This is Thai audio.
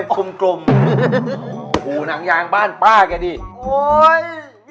โหเกรื่องกลมโหหนังยางบ้านป่ากันว่าก็ดิ